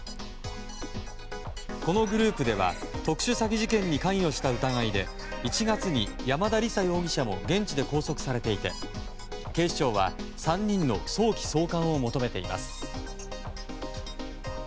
このグループでは特殊詐欺事件に関与した疑いで１月に山田李沙容疑者も現地で拘束されていて警視庁は３人の早期送還を求めています。